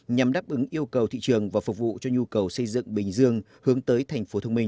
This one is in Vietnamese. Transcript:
nhằm đáp ứng yêu cầu thị trường và phục vụ cho nhu cầu xây dựng bình dương hướng tới thành phố thông minh